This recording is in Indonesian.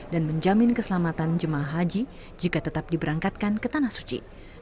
dan menjamin keselamatan jemaah haji jika tetap diberangkatkan ke tanah suci